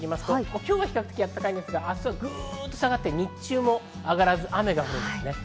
今日は比較的暖かいですが明日はぐっと下がって、日中も上がらず雨が降ります。